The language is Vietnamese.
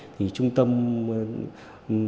thì trung tâm tập trung